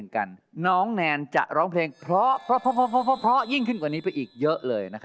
ควรจะเราไม่เปิดจมูก